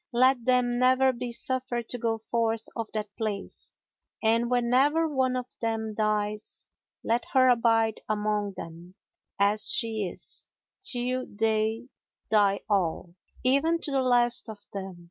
Let them never be suffered to go forth of that place, and whenever one of them dies, let her abide among them, as she is, till they die all, even to the last of them.